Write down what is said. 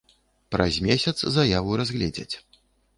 Праз месяц заяву разгледзяць.